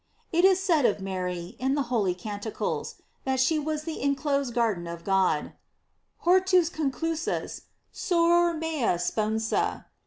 It is eaid of Mary, in the holy Canticles, that she was the inclosed garden of God : "Hortus conclusus soror mea sponsa."